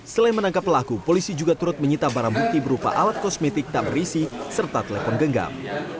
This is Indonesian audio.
selain menangkap pelaku polisi juga turut menyita barang bukti berupa alat kosmetik tak berisi serta telepon genggam